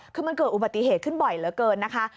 คือมันเกิดอุบัติเหตุขึ้นบ่อยเหลือเกินนะคะ